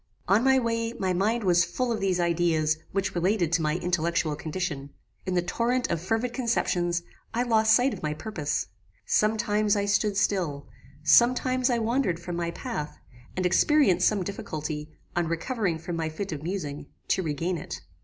On my way my mind was full of these ideas which related to my intellectual condition. In the torrent of fervid conceptions, I lost sight of my purpose. Some times I stood still; some times I wandered from my path, and experienced some difficulty, on recovering from my fit of musing, to regain it.